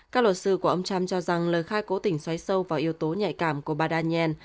các luật sư của ông trump cho rằng lời khai cố tình xoáy sâu vào yếu tố nhạy cảm của bà daniel